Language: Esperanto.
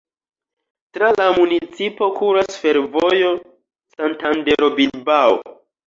Tra la municipo kuras fervojo Santandero-Bilbao.